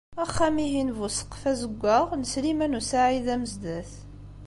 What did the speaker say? Axxam-ihin bu ssqef azeggaɣ n Sliman u Saɛid Amezdat.